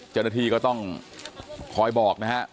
เจ้าหน้าที่ก็ต้องคอยบอกนะฮะ